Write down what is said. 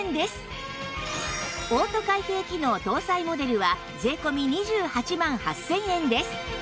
オート開閉機能搭載モデルは税込２８万８０００円です